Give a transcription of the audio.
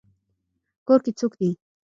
کور کې څوک دی؟